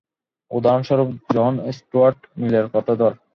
উদাহরণস্বরূপ John Stuart মিলের কথা ধর।